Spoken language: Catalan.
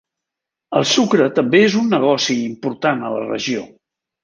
El sucre també és un negoci important a la regió.